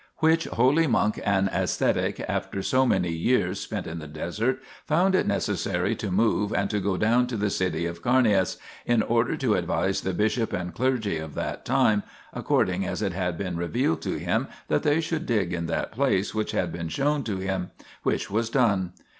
which holy monk and ascetic, after so many years spent in the desert, found it necessary to move and to go down to the city of Carneas, in order to advise the bishop and clergy of that time, according as it had been revealed to him, that they should dig in that place which had been shown to him ; which was done.